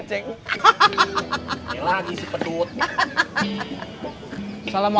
ceng hahaha lagi sepedut hahaha